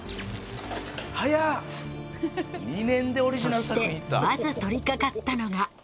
そしてまず取りかかったのが。